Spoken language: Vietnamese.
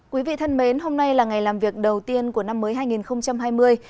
quý vị thân mến hôm nay là ngày làm việc đầu tiên của năm mới hai nghìn hai mươi